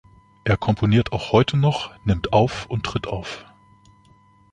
Er komponiert auch heute noch, nimmt auf und tritt auf.